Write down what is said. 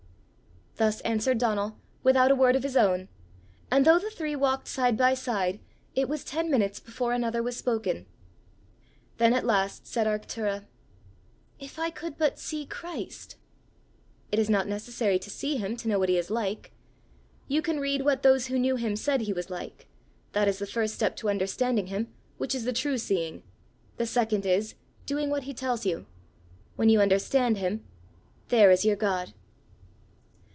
'" Thus answered Donal, without a word of his own, and though the three walked side by side, it was ten minutes before another was spoken. Then at last said Arctura, "If I could but see Christ!" "It is not necessary to see him to know what he is like. You can read what those who knew him said he was like; that is the first step to understanding him, which is the true seeing; the second is, doing what he tells you: when you understand him there is your God!"